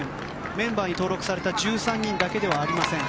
メンバーに登録された１３人だけではありません。